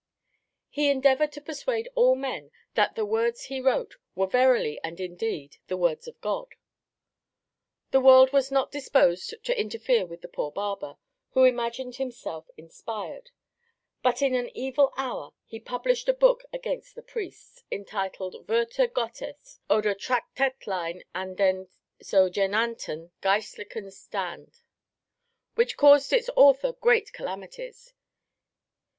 He endeavoured to persuade all men that the words he wrote were verily and indeed the words of God. The world was not disposed to interfere with the poor barber who imagined himself inspired, but in an evil hour he published a book against the priests, entitled Worte Gottes, oder Tractätlein an den so genannten geistlichen Stand, which caused its author great calamities.